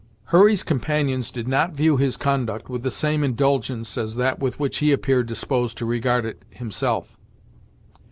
Hurry's companions did not view his conduct with the same indulgence as that with which he appeared disposed to regard it himself.